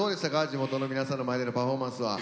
地元の皆さんの前でのパフォーマンスは。